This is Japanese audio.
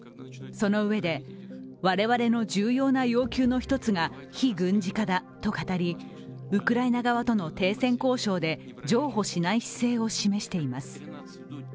そのうえで、我々の重要な要求の一つが非軍事化だと語りウクライナ側との停戦交渉で譲歩しない姿勢を示しています。